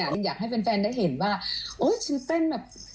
แทนอยากให้แฟนได้เห็นว่าโอ๊ยฉันเพลงแบบ